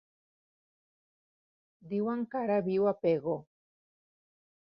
Diuen que ara viu a Pego.